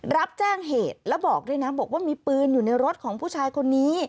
รับแจ้งเหตุแล้วบอกด้วยนะบอกว่ามีปืนอยู่ในรถของผู้ชายคนนี้